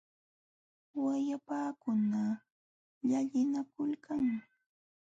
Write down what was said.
Wayapakuna llallinakulkanmi.